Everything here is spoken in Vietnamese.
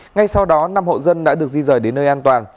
ngay sau đó năm hộ dân đã được di rời đến nơi an toàn